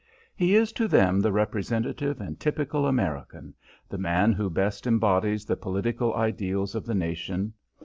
He is to them the representative and typical American, the man who best embodies the political ideals of the nation.